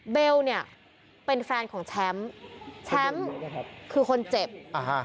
เบลเนี้ยเป็นแฟนของแช้มแช้มคือคนเจ็บอ่า